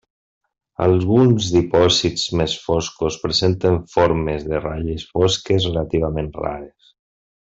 Alguns dipòsits més foscos presenten formes de ratlles fosques relativament rares.